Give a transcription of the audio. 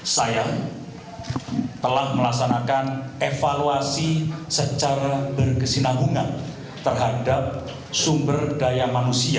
saya telah melaksanakan evaluasi secara berkesinanggungan terhadap sumber daya manusia